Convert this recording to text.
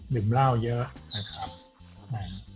ดื่มเหล้าเยอะนะครับ